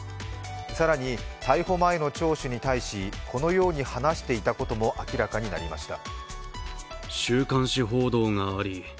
更に逮捕前の聴取に対し、このように話していたことも明らかになりました。